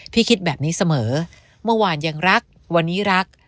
คิดแบบนี้เสมอเมื่อวานยังรักวันนี้รัก